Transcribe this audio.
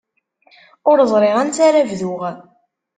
Ur ẓriɣ ansi ara bduɣ.